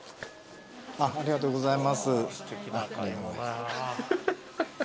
ありがとうございます。